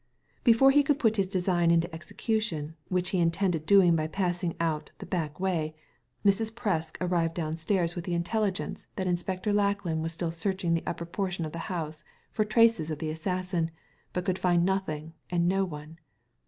Before he could put his design into execution, which he intended doing by passing out the back way, Mrs. Presk arrived downstairs with the Digitized by Google THE DEATH CARD 19 intelligence that Inspector Lackland was still search ing the upper portion of the house for traces of the assassin, but could find nothing and no one.